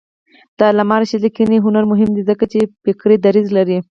د علامه رشاد لیکنی هنر مهم دی ځکه چې فکري دریځ لري.